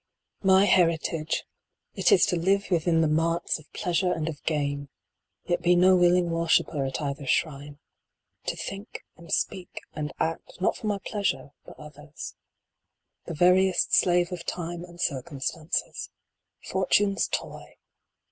1VF ^ heritage !" It is to live within The marts of Pleasure and of Gain, yet be No willing worshiper at either shrine ; To think, and speak, and act, not for my pleasure, But others . The veriest slave of time And circumstances. Fortune s toy